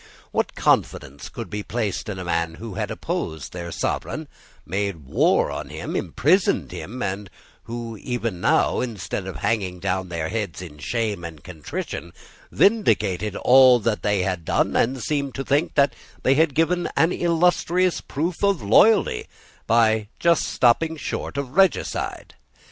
What confidence could be placed in men who had opposed their sovereign, made war on him, imprisoned him, and who, even now, instead of hanging down their heads in shame and contrition, vindicated all that they had done, and seemed to think that they had given an illustrious proof of loyalty by just stopping short of regicide?